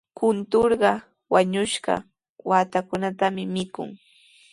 Kunturqa wañushqa waatakunatami mikun.